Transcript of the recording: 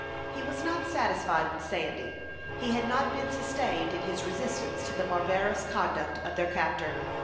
He was not satisfied with Sandy. He had not been sustained in his resistance to the barbarous conduct of their captor.